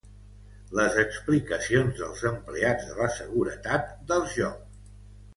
Les explicacions dels empleats de la seguretat dels Jocs.